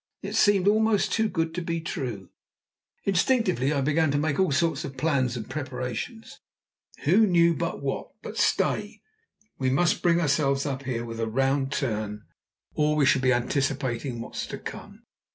It seemed almost too good to be true. Instinctively I began to make all sorts of plans and preparations. Who knew but what but stay, we must bring ourselves up here with a round turn, or we shall be anticipating what's to come.